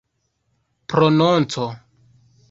prononco